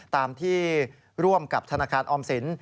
ตามที่ร่วมกับธนาคารออมสิน